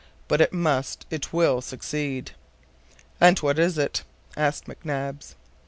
But it must, it will succeed." "And what is it?" asked McNabbs.